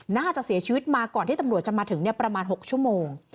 น่าจะเสียชีวิตมาก่อนที่ตำรวจจะมาถึงประมาณ๖ชั่วโมง